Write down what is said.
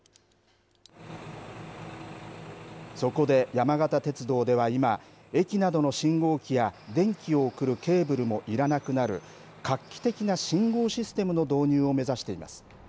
そこで、山形鉄道では今駅などの信号機や電気を送るケーブルもいらなくなる画期的な信号システムの導入を目指しています。